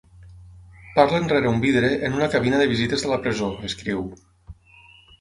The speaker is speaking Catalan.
Parlen rere un vidre en una cabina de visites de la presó, escriu.